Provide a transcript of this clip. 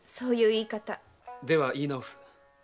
では言い直す。